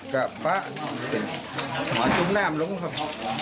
กับปะหน้ามันลุ้มครับ